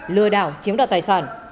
lừa đảo chiếm đoạt tài sản